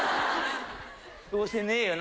どうせねえよな。